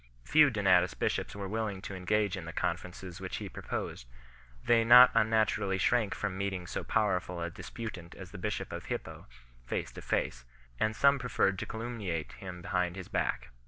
Few Donatist bishops were willing to engage in the conferences which he proposed ; they not unnaturally shrank from meeting so powerful a dis putant as the bishop of Hippo face to face, and some preferred to calumniate him behind his back.